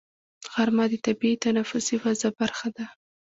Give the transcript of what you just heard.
غرمه د طبیعي تنفسي فضا برخه ده